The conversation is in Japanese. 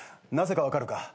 なぜか分かるか？